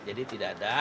jadi tidak ada